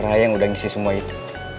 saya yang udah ngisi semua itu